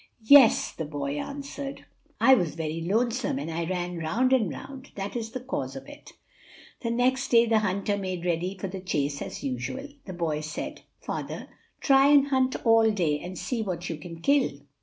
"Yes," the boy answered, "I was very lonesome, and I ran round and round that is the cause of it." The next day the hunter made ready for the chase as usual. The boy said: "Father, try and hunt all day, and see what you can kill."